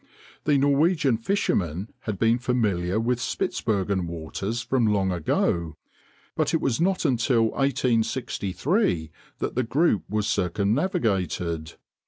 The Norwegian fishermen had been familiar with Spitzbergen waters from long ago, but it was not until 1863 that the group was circumnavigated.